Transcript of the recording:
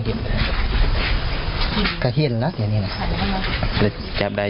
เจ็บใดอีกหรือเปล่า